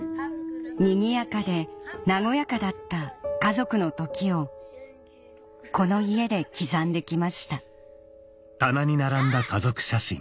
にぎやかで和やかだった家族の時をこの家で刻んできましたあっ！